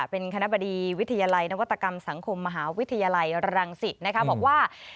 เป็นคณะบดีวิทยาลัยนวัตกรรมสังคมมหาวิทยาลัยรังสิตนะคะบอกว่า